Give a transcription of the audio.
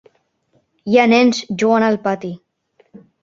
Hi ha nens jugant al pati.